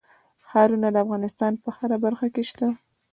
ښارونه د افغانستان په هره برخه کې شته.